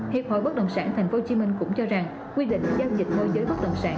hiệp hội bất đồng sản tp hcm cũng cho rằng quy định giao dịch môi giới bất động sản